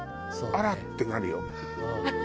あら？ってなる。